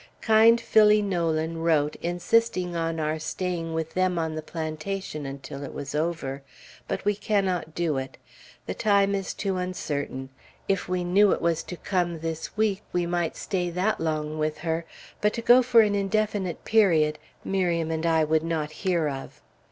Kind Phillie Nolan wrote insisting on our staying with them on the plantation until it was over, but we cannot do it; the time is too uncertain; if we knew it was to come this week, we might stay that long with her; but to go for an indefinite period, Miriam and I would not hear of.